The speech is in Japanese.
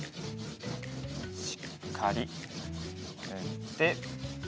しっかりぬって。